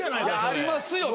ありますよ